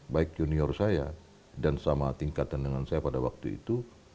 baik junior saya dan sama tingkatan dengan saya pada waktu itu